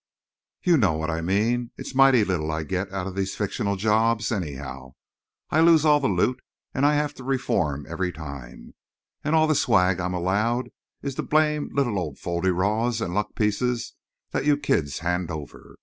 You know what I mean. It's mighty little I get out of these fictional jobs, anyhow. I lose all the loot, and I have to reform every time; and all the swag I'm allowed is the blamed little fol de rols and luck pieces that you kids hand over.